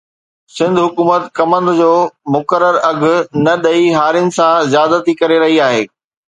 سنڌ حڪومت ڪمند جو مقرر اگهه نه ڏئي هارين سان زيادتي ڪري رهي آهي